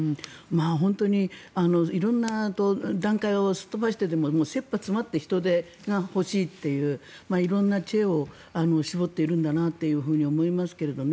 本当に色んな段階をすっ飛ばしてでも切羽詰まって人手が欲しいという色んな知恵を絞っているんだなと思いますけどね。